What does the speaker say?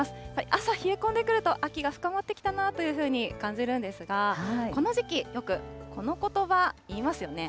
朝、冷え込んでくると秋が深まってきたなというふうに感じるんですが、この時期、よくこのことば、いいますよね。